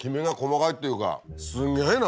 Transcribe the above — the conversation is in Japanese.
すんげぇな